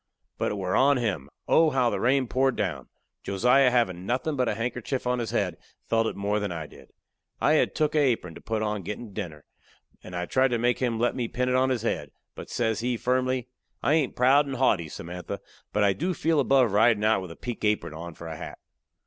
But it were on him. Oh, how the rain poured down! Josiah, havin' nothin' but a handkerchief on his head, felt it more than I did. I had took a apron to put on a gettin' dinner, and I tried to make him let me pin it on his head. But says he, firmly: "I hain't proud and haughty, Samantha, but I do feel above ridin' out with a pink apron on for a hat."